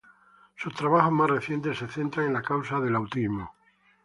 Sus trabajos más recientes se centran en la causa del autismo.